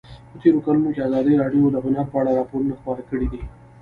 په تېرو کلونو کې ازادي راډیو د هنر په اړه راپورونه خپاره کړي دي.